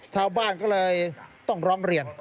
ชาวบ้านก็เลยต้องร้องเรียน